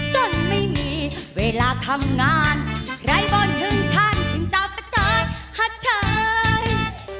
กินเจ้าตะท้ายหักท้าย